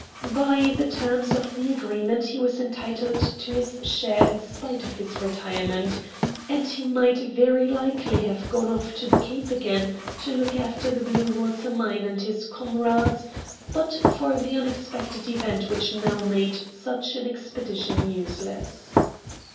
By the terms of the agreement he was entitled to his share in spite of his retirement, and he might very likely have gone ofi' to the Cape again to look A NINE DAYS' WONDER 211 after the Bluewater ]\Iine and his comrades but for the unexpected event which now made such an expedition useless.